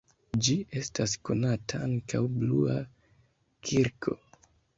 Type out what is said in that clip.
Ĝi estas konata ankaŭ blua kirko.